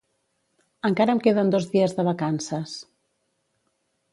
Encara em queden dos dies de vacances